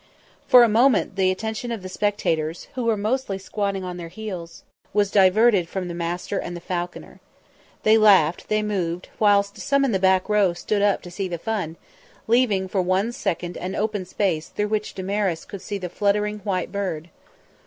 For a moment the attention of the spectators, who were mostly squatting on their heels, was diverted from the master and the falconer. They laughed, they moved, whilst some in the back row stood up to see the fun, leaving for one second an open space through which Damaris could see the fluttering white bird.